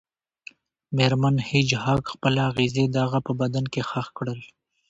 میرمن هیج هاګ خپل اغزي د هغه په بدن کې ښخ کړل